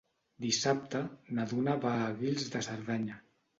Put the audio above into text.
Dissabte na Duna va a Guils de Cerdanya.